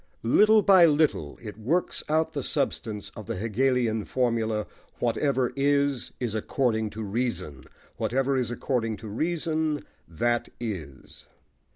Little by little, it works out the substance of the Hegelian formula: "Whatever is, is according to reason: whatever is according to reason, that is."